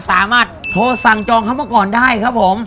สามารถโทรสั่งจองเขามาก่อนได้ครับผม